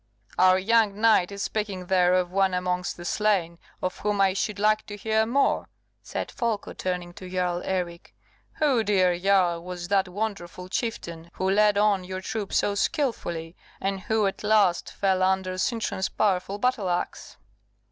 "Our young knight is speaking there of one amongst the slain of whom I should like to hear more," said Folko, turning to Jarl Eric. "Who, dear Jarl, was that wonderful chieftain who led on your troops so skilfully, and who at last fell under Sintram's powerful battle axe?"